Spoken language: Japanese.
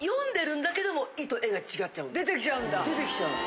出てきちゃうんだ。